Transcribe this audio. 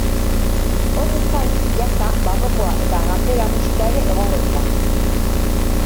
Horrez gain, jazza, barrokoa eta ganbera musika ere egongo dira.